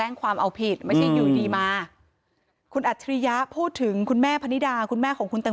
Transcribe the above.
ฟ้องแล้วเขาสั่งยกเลิกตอนกี่โมงนะ